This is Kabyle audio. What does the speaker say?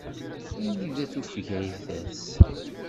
Anida tufeg ay ters.